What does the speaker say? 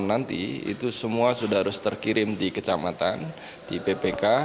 dan malam nanti itu semua sudah harus terkirim di kecamatan di ppk